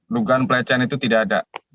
dugaan pelecehan itu tidak ada